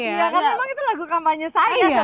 iya karena memang itu lagu kampanye saya sebetulnya